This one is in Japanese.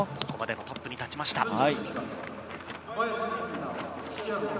ここまでのトップに立ちました。